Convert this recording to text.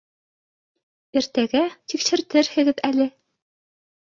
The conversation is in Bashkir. Иртәгә тикшертерһегеҙ әле.